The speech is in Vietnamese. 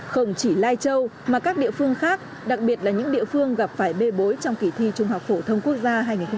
không chỉ lai châu mà các địa phương khác đặc biệt là những địa phương gặp phải bê bối trong kỳ thi trung học phổ thông quốc gia hai nghìn một mươi tám